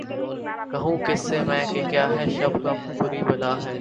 کہوں کس سے میں کہ کیا ہے شب غم بری بلا ہے